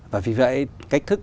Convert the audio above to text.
và vì vậy cách thức